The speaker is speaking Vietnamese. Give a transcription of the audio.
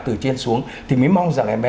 từ trên xuống thì mới mong rằng em bé